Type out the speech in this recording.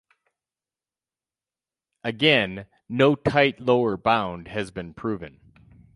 Again, no tight lower bound has been proven.